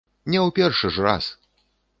Не ў першы ж раз!